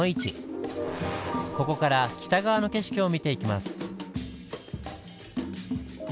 ここから北側の景色を見ていきます。